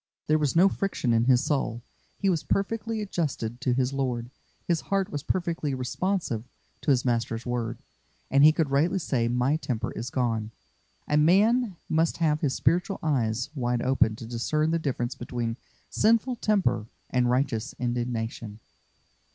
There was no friction in his soul. He was perfectly adjusted to his Lord; his heart was perfectly responsive to his Master's word, and he could rightly say, "My temper is gone." A man must have his spiritual eyes wide open to discern the difference between sinful temper and righteous indignation.